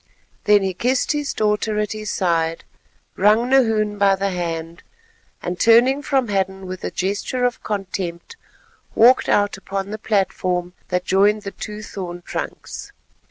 Then he kissed his daughter at his side, wrung Nahoon by the hand, and turning from Hadden with a gesture of contempt walked out upon the platform that joined the two thorn trunks.